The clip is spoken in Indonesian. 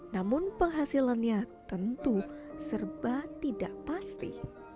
namun penghasilannya tentu serba tidak pasti